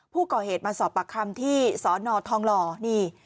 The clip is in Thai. ผู้ก่อเหตุมาสอบปากคำที่สอนอทองหล่อนี่